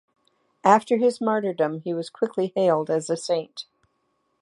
After his martyrdom, he was quickly hailed as a saint.